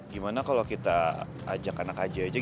gimana kalau kita ajak anak aj aja gimana